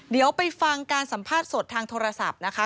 เดี๋ยวไปฟังการสัมภาษณ์สดทางโทรศัพท์นะคะ